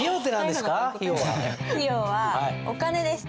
費用はお金です。